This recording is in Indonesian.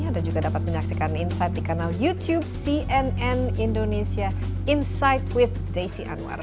anda juga dapat menyaksikan insight di kanal youtube cnn indonesia insight with desi anwar